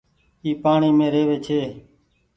اي پآڻيٚ مين رهوي ڇي۔